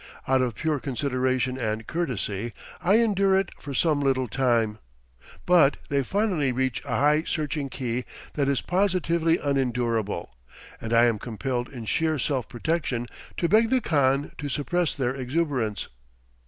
Out of pure consideration and courtesy, I endure it for some little time; but they finally reach a high searching key that is positively unendurable, and I am compelled in sheer self protection to beg the khan to suppress their exuberance.